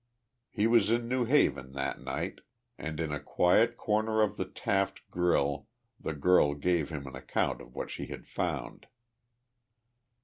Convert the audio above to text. He was in New Haven that night, and, in a quiet corner of the Taft grille the girl gave him an account of what she had found.